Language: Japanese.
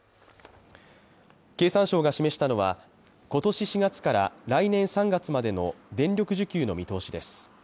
経産省が示したのは、今年４月から来年３月までの電力需給の見通しです。